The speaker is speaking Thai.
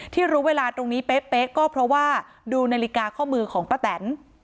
ที่รู้เวลาตรงนี้เป๊ะก็เพราะว่าดูนาฬิกาข้อมือของป้าแตน